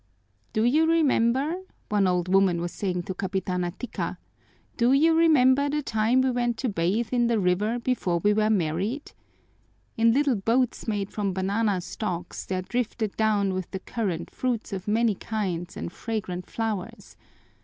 "Do you remember," one old woman was saying to Capitana Tika, "do you remember the time we went to bathe in the river, before we were married? In little boats made from banana stalks there drifted down with the current fruits of many kinds and fragrant flowers.